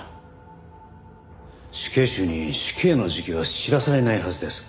死刑囚に死刑の時期は知らされないはずです。